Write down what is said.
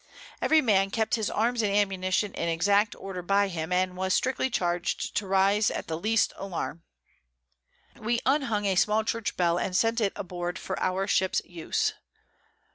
Every Man kept his Arms and Ammunition in exact Order by him, and was strictly charged to rise at the least Alarm. We unhung a small Church Bell, and sent it aboard for our Ships Use.